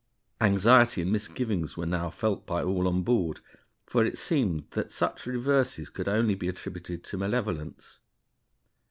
Anxiety and misgivings were now felt by all on board, for it seemed that such reverses could only be attributed to malevolence.